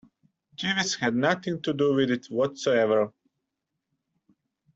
Jeeves had nothing to do with it whatsoever.